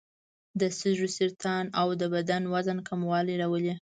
د سږو سرطان او د بدن وزن کموالی راولي.